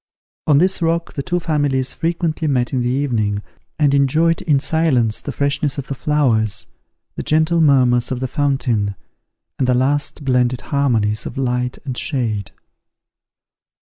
On this rock the two families frequently met in the evening, and enjoyed in silence the freshness of the flowers, the gentle murmurs of the fountain, and the last blended harmonies of light and shade.